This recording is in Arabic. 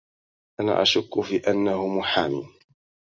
أنا أشك في أنه محام.